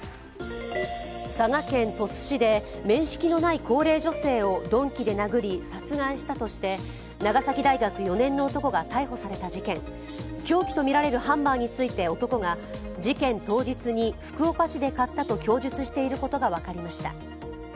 佐賀県鳥栖市で面識のない高齢女性を鈍器で殴り殺害したということで長崎大学４年の男が逮捕された事件凶器とみられるハンマーについて男が、事件当日に福岡市で買ったと供述していることが分かりました。